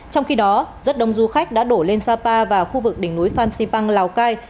trong khi đó rất đông du khách đã đổ lên sapa và khu vực đỉnh núi phan xipang lào cai